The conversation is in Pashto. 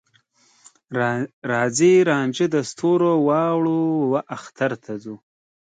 راځې رانجه د ستوروراوړو، واخترته ورځو